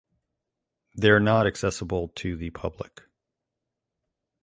They are not accessible to the public.